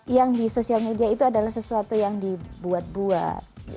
yang di sosial media itu adalah sesuatu yang dibuat buat